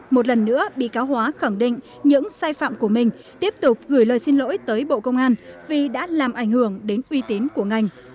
một lần nữa bị cáo hóa khẳng định những sai phạm của mình tiếp tục gửi lời xin lỗi tới bộ công an vì đã làm ảnh hưởng đến uy tín của ngành